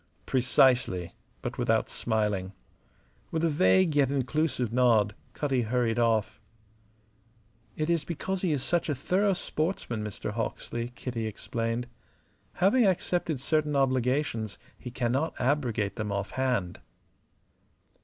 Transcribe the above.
"Precisely" but without smiling. With a vague yet inclusive nod Cutty hurried off. "It is because he is such a thorough sportsman. Mr. Hawksley," Kitty explained. "Having accepted certain obligations he cannot abrogate them off hand."